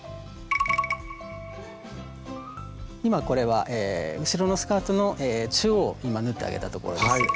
これは後ろのスカートの中央今縫ってあげたところです。